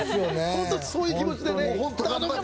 本当にそういう気持ちでね。